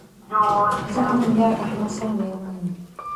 زه نن یار احمد سره مېلمه یم